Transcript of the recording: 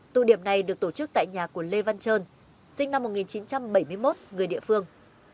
tụ điểm này được tổ chức tại nhà của lê văn trơn sinh năm một nghìn chín trăm bảy mươi một người địa phương